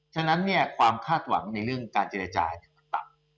ฉะนั้นความคาดหวังในเรื่องการเจรจามันต่ำ